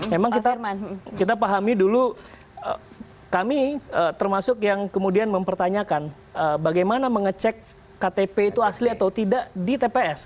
memang kita pahami dulu kami termasuk yang kemudian mempertanyakan bagaimana mengecek ktp itu asli atau tidak di tps